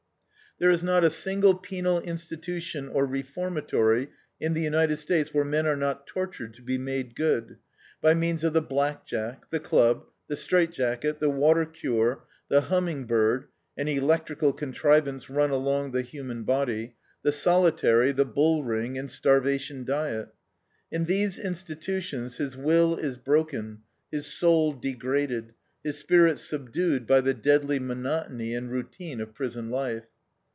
There is not a single penal institution or reformatory in the United States where men are not tortured "to be made good," by means of the blackjack, the club, the straightjacket, the water cure, the "humming bird" (an electrical contrivance run along the human body), the solitary, the bullring, and starvation diet. In these institutions his will is broken, his soul degraded, his spirit subdued by the deadly monotony and routine of prison life.